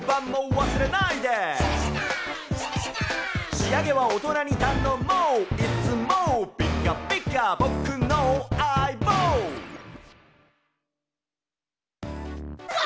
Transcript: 「仕上げは大人にたのもう」「いつもピカピカぼくのあいぼう」わ！